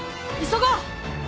急ごう！